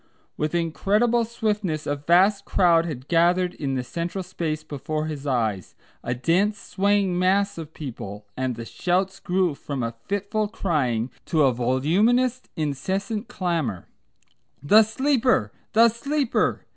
With incredible swiftness a vast crowd had gathered in the central space before his eyes; a dense swaying mass of people, and the shouts grew from a fitful crying to a voluminous incessant clamour: "The Sleeper! The Sleeper!"